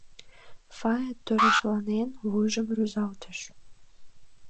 Фая, торешланен, вуйжым рӱзалтыш.